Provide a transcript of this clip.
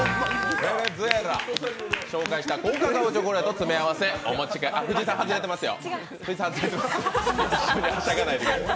紹介した高カカオチョコレートの詰め合わせをいや、藤井さん外れてますよ。